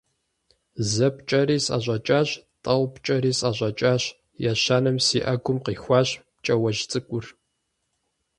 Зэ пкӀэри, сӀэщӀэкӀащ, тӀэу пкӀэри, сӀэщӀэкӀащ, ещанэм си Ӏэгум къихуащ пкӀауэжь цӀыкӀур.